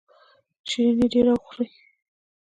شیریني ډیره خورئ؟